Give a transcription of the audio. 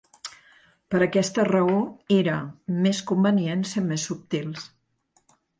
Per aquesta raó era ‘més convenient ser més subtils’.